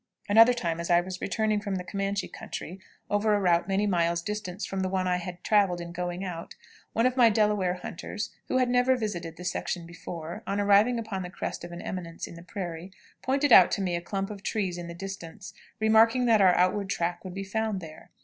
Another time, as I was returning from the Comanche country over a route many miles distant from the one I had traveled in going out, one of my Delaware hunters, who had never visited the section before, on arriving upon the crest of an eminence in the prairie, pointed out to me a clump of trees in the distance, remarking that our outward track would be found there.